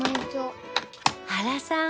原さん